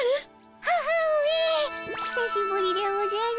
母上ひさしぶりでおじゃる。